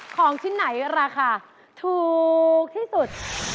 ของชิ้นไหนราคาถูกที่สุด